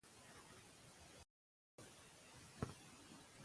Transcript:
ددې یونلیک په لوستلو سره يو ډول احساس ورته پېدا کېږي